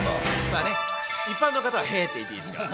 一般の方はへぇって言っていいですから。